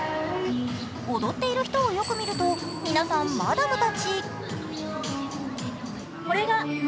踊っている人をよく見ると、皆さん、マダムたち。